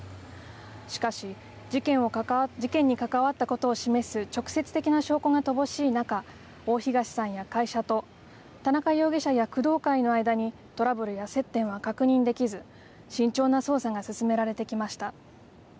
しかし事件に関わったことを示す直接的な証拠が乏しい中、大東さんや会社と田中容疑者や工藤会の間にトラブルや接点は確認できず慎重な捜査が進められてきました。